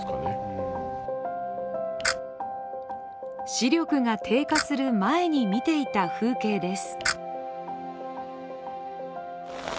視力が低下する前に見ていた風景です。